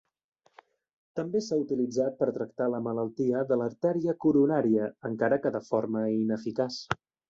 També s'ha utilitzat per tractar la malaltia de l'artèria coronària, encara que de forma ineficaç.